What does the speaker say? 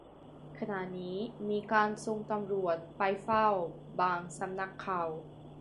ขณะนี้มีการส่งตำรวจไปเฝ้าบางสำนักข่าว